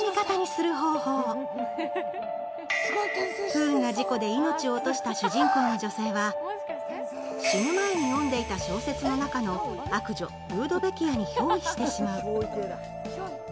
不運な事故で命を落とした主人公の女性は死ぬ前に読んでいた小説の中の悪女・ルードベキアに憑依してしまう。